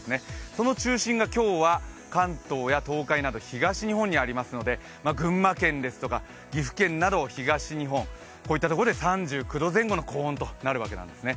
その中心が今日は関東や東海など東日本にありますので群馬県ですとか岐阜県など東日本で３９度前後の高温となるわけですね。